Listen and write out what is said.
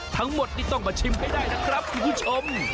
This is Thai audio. ทั้งหมดนี่ต้องมาชิมให้ได้นะครับคุณผู้ชม